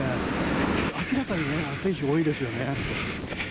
明らかにね、暑い日、多いですよね。